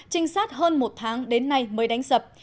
trinh sát hơn một tháng đến nay mới đánh sập